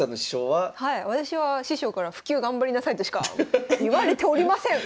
はい私は師匠から「普及頑張りなさい」としか言われておりません！